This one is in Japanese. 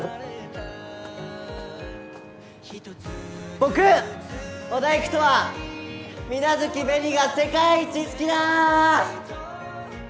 僕織田偉人は皆月紅が世界一好きだ！